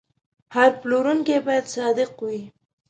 هر پلورونکی باید صادق وي.